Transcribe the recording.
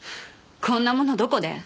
こんなものどこで？